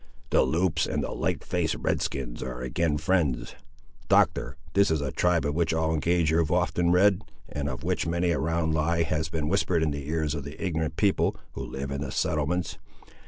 "The Loups and the light fac'd Red skins are again friends. Doctor, that is a tribe of which I'll engage you've often read, and of which many a round lie has been whispered in the ears of the ignorant people, who live in the settlements.